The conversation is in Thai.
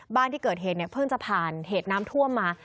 บ้านที่เกิดเหตุเนี่ยเพิ่งจะผ่านเหตุน้ำท่วมมา